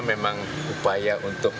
memang upaya untuk